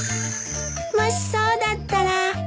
もしそうだったら